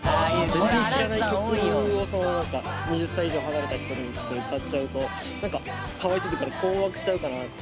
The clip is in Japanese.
全然知らない曲を２０歳以上離れた人に歌っちゃうとなんかかわいそうというか困惑しちゃうかな。